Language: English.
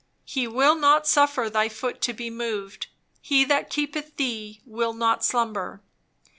"He will not suffer thy foot to be moved; he that keepeth thee will not slumber.